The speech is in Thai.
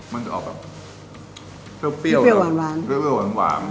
มันจะเอาแบบเพื่อเปรี้ยวหวาน